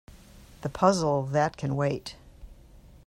The puzzle — that can wait.